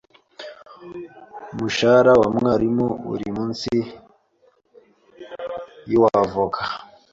Umushahara wa mwarimu uri munsi yuw'avoka.